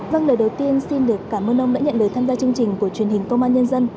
vâng lời đầu tiên xin được cảm ơn ông đã nhận lời tham gia chương trình của truyền hình công an nhân dân